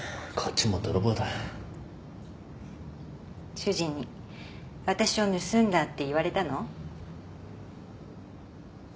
主人に私を盗んだって言われたの？